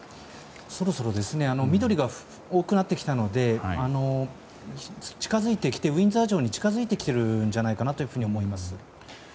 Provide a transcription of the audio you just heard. そろそろ緑が多くなってきたのでウィンザー城に近づいてきているんじゃないかと思います。